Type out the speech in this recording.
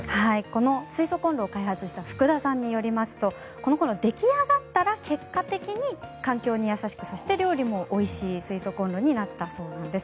この水素コンロを開発した福田さんによりますと出来上がったら結果的に、環境に優しくそして料理もおいしい水素コンロになったそうなんです。